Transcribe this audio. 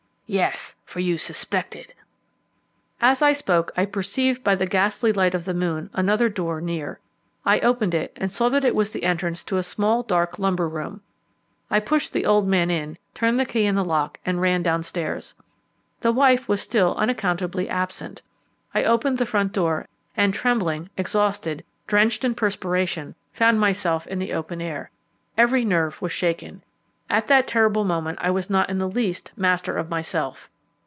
"Yes; for you suspected." As I spoke I perceived by the ghastly light of the moon another door near. I opened it and saw that it was the entrance to a small dark lumber room. I pushed the old man in, turned the key in the lock, and ran downstairs. The wife was still unaccountably absent. I opened the front door, and trembling, exhausted, drenched in perspiration, found myself in the open air. Every nerve was shaken. At that terrible moment I was not in the least master of myself.